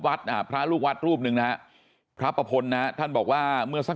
อ่าพระลูกวัดรูปหนึ่งนะฮะพระประพลนะท่านบอกว่าเมื่อสัก